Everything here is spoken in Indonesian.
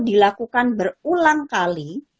dilakukan berulang kali